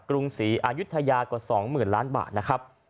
กรุงศรีอายุทยากว่า๒๐๐๐ล้านบาทนะครับ